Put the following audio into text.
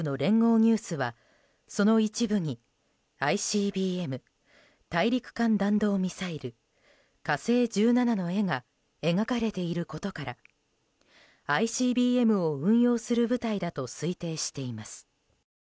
ニュースはその一部にＩＣＢＭ・大陸間弾道ミサイル「火星１７」の絵が描かれていることからＩＣＢＭを運用する部隊だと推定しています。